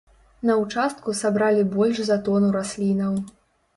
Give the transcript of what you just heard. На участку сабралі больш за тону раслінаў.